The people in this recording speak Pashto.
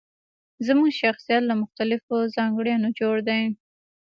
زموږ شخصيت له مختلفو ځانګړنو جوړ دی.